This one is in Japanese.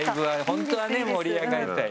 本当はね盛り上がりたい。